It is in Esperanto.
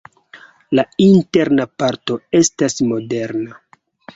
La interna parto estas moderna.